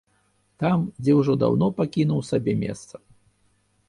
Там, дзе ўжо даўно пакінуў сабе месца.